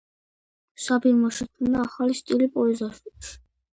საბირმა შექმნა ახალი სტილი პოეზიაში.